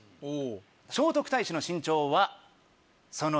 聖徳太子の身長はその２倍。